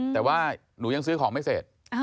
แต่ว่าหนูยังซื้อของไม่เสร็จ